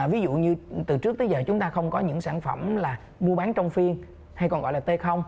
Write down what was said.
ví dụ như từ trước tới giờ chúng ta không có những sản phẩm là mua bán trong phiên hay còn gọi là t